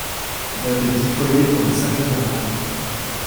Il y avait dix foyers pour les cinq générateurs.